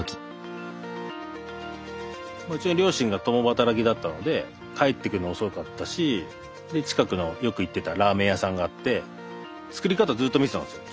うちの両親が共働きだったので帰ってくるの遅かったし近くのよく行ってたラーメン屋さんがあって作り方をずっと見てたんですよ